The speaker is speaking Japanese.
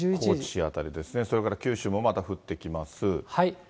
高知辺りですね、それから九州もまた降ってきます。